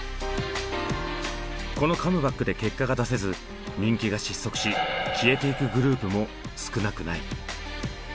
このカムバックで結果が出せず人気が失速し消えてゆくグループも少なくない。